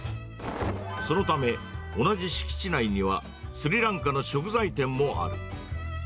そのため、同じ敷地内にはスリランカの食材店もある。